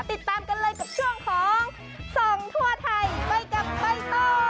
ติดตามกันเลยกับช่วงของส่องทั่วไทยไปกับใบตอง